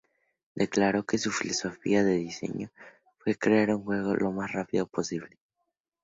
Declaró que su filosofía de diseño fue crear un juego lo más rápido posible.